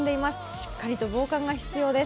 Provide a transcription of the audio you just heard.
しっかりと防寒が必要です。